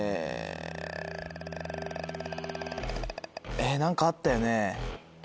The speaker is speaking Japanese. えっ何かあったよね。